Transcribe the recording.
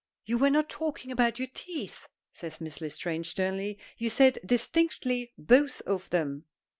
"You were not talking about your teeth," says Miss L'Estrange sternly. "You said distinctly 'both of them.'"